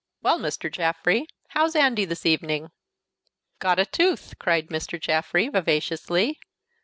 "Well, Mr. Jaffrey, how's Andy this evening?" "Got a tooth!" cried Mr. Jaffrey, vivaciously.